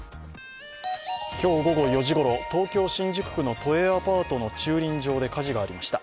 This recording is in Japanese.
今日午後４時頃、東京・新宿区の都営アパートの駐輪場で火事がありました。